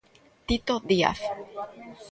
Tito Díaz.